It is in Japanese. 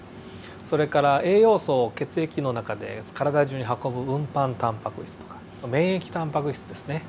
それから栄養素を血液の中で体中に運ぶ運搬タンパク質とかあと免疫タンパク質ですね。